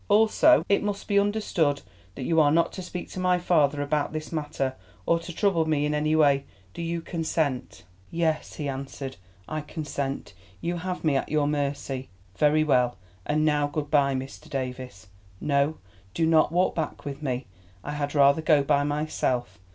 Also, it must be understood that you are not to speak to my father about this matter, or to trouble me in any way. Do you consent?" "Yes," he answered, "I consent. You have me at your mercy." "Very well. And now, Mr. Davies, good bye. No, do not walk back with me. I had rather go by myself.